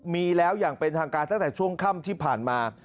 มีแล้วอย่างเป็นทางการตั้งแต่ช่วงค่ำที่ผ่านมา